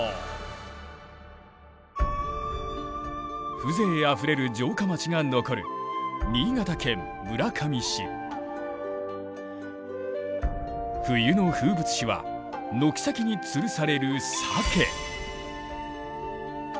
風情あふれる城下町が残る冬の風物詩は軒先につるされる鮭。